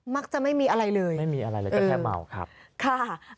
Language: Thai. จะไม่มีอะไรเลยไม่มีอะไรเลยก็แค่เมาครับค่ะ